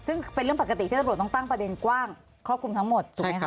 ซึ่งเป็นเรื่องปกติที่ตำรวจต้องตั้งประเด็นกว้างครอบคลุมทั้งหมดถูกไหมค